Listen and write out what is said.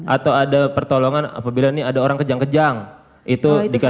atau ada pertolongan apabila ini ada orang kejang kejang itu dikasih apa